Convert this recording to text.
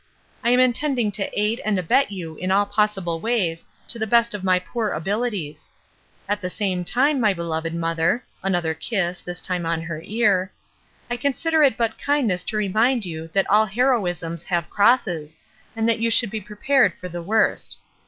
I am intending to aid and abet you in all possible ways to the best of my poor abilities. At the same time, my beloved mother," — another kiss, this time on her ear, — "I consider it but kindness to remind you that all heroisms have crosses, and that you should be prepared for the worst.